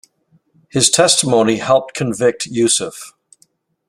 His testimony helped convict Yousef.